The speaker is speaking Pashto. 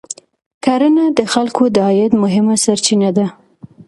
کرنه د خلکو د عاید مهمه سرچینه ده